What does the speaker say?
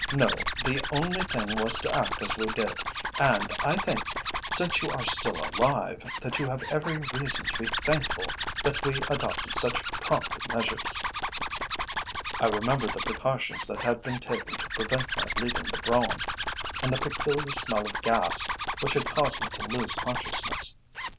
No, the only thing was to act as we did, and I think, since you are still alive, that you have every reason to be thankful that we adopted such prompt measures." I remembered the precautions that had been taken to prevent my leaving the brougham, and the peculiar smell of gas which had caused me to lose consciousness.